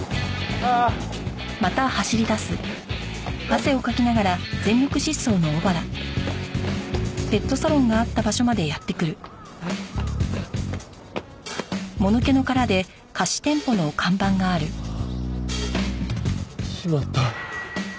ああしまった。